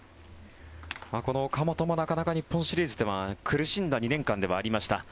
この岡本もなかなか日本シリーズでは苦しんだ２年間ではありました。